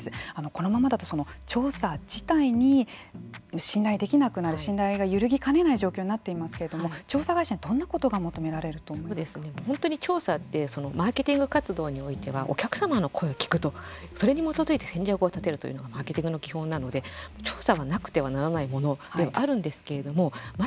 このままだと調査自体に信頼できなくなる信頼が揺るぎかねない状況になっていますけど調査会社にどんなことが本当に調査ってマーケティング活動においてはお客様の声を聞くとそれに基づいて戦略を立てるというのがマーケティングの基本なんですけれども調査はなくてはならないものではあるんですけれども。